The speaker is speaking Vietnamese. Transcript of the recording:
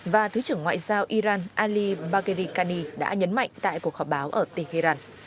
và thứ trưởng ngoại giao iran ali bagheri khani đã nhấn mạnh tại cuộc họp báo ở tehran